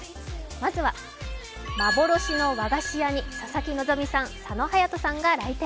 まずは幻の和菓子屋に佐々木希さん佐野勇斗さんが来店。